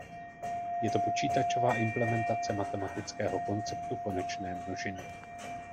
Je to počítačová implementace matematického konceptu konečné množiny.